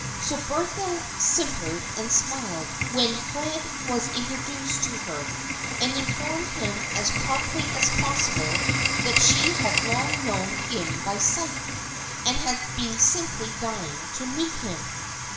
So Bertha simpered and smiled when Fred was introduced to her, and informed him as promptly as possible that she had long known him by sight and had been simply dying to meet him.